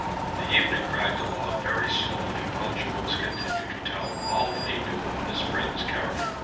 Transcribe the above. The evening dragged along very slowly while Jones continued to tell all that he knew of his friend's character.